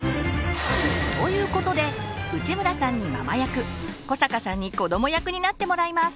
ということで内村さんにママ役古坂さんに子ども役になってもらいます。